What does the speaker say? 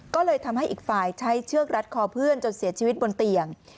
ก็เลยทำให้อีกฝ่ายใช้เชือกรัดคอเพื่อนจนเสียชีวิตบนเตียง